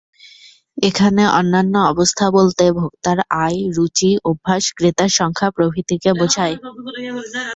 এখানে অন্যান্য অবস্থা বলতে ভোক্তার আয়, রুচি, অভ্যাস, ক্রেতার সংখ্যা প্রভৃতিকে বোঝায়।